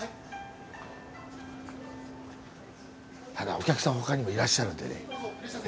お客さん他にもいらっしゃるんでね。